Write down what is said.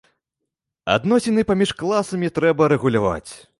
Адносіны паміж класамі трэба рэгуляваць.